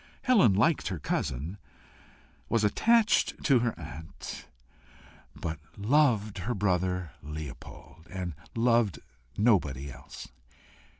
Helen liked her cousin, was attached to her aunt, but loved her brother Leopold, and loved nobody else.